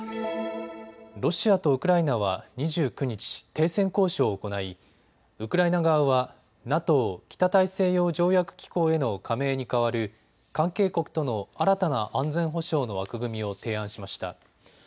ロシアとウクライナは２９日、停戦交渉を行いウクライナ側はＮＡＴＯ・北大西洋条約機構への加盟に代わる関係国との新たな安全保障の枠組みを提案しました。